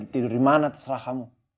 tidur dimana terserah kamu